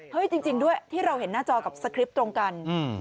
จริงด้วยที่เราเห็นหน้าจอกับสคริปต์ตรงกัน